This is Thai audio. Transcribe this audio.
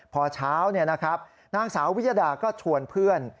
พอเช้าเนี่ยนะครับนางสาววิยดาก็ชวนเพื่อน